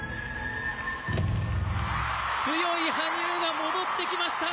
強い羽生が戻ってきました。